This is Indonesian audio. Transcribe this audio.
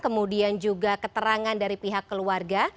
kemudian juga keterangan dari pihak keluarga